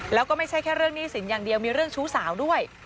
แล้วก็ไม่ใช่แค่เรื่องหนี้สินอย่างเดียวมีเรื่องชู้สาวด้วย